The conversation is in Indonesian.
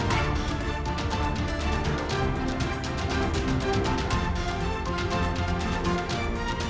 terutama masalah saran dan politik identitas